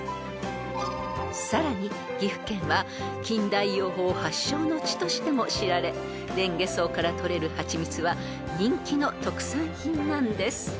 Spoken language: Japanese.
［さらに岐阜県は近代養蜂発祥の地としても知られレンゲソウからとれる蜂蜜は人気の特産品なんです］